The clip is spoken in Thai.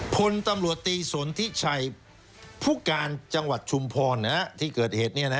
พลตำรวจตีสนทิชัยผู้การจังหวัดชุมพรที่เกิดเหตุ